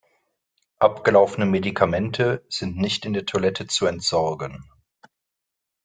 Abgelaufene Medikamente sind nicht in der Toilette zu entsorgen.